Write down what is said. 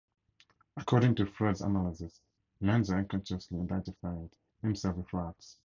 According to Freud's analysis, Lanzer unconsciously identified himself with rats.